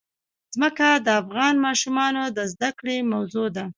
ځمکه د افغان ماشومانو د زده کړې موضوع ده.